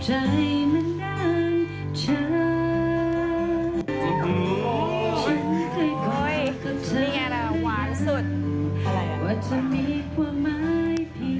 โหยนี่ไงละหวานสุด